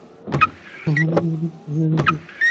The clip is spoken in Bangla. উহা মনে রূপান্তরিত হইয়া গিয়াছে।